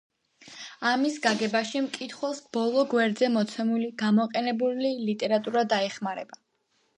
ამის გაგებაში მკითხველს ბოლო გვერდზე მოცემული „გამოყენებული ლიტერატურა“ დაეხმარება.